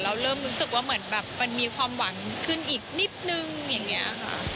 เริ่มรู้สึกว่าเหมือนแบบมันมีความหวังขึ้นอีกนิดนึงอย่างนี้ค่ะ